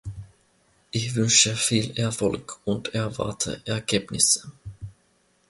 Ich wünsche viel Erfolg und erwarte Ergebnisse.